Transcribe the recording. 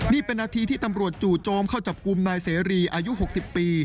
นี่เป็นนาทีที่ตำรวจจู่โจมเข้าจับกลุ่มนายเสรีอายุ๖๐ปี